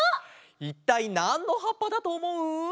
いったいなんのはっぱだとおもう？